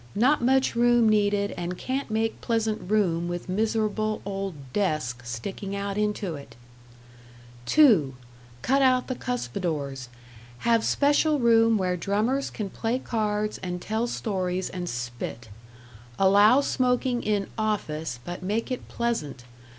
Not much room needed and can't make pleasant room with miserable old 'desk' sticking out into it. "(2) Cut out the cuspidors. Have special room where drummers can play cards and tell stories and spit. Allow smoking in 'office,' but make it pleasant.